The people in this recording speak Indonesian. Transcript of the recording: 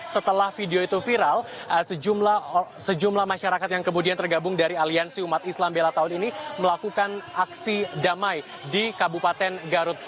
setelah video itu viral sejumlah masyarakat yang kemudian tergabung dari aliansi umat islam bella tahun ini melakukan aksi damai di kabupaten garut